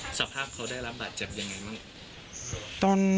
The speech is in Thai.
สภาพเขาได้รับบาดเจ็บยังไงบ้าง